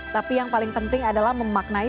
tapi yang paling penting adalah memaknai